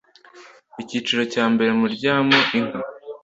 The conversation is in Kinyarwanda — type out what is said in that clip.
icyiciro cya mbere muryamo inka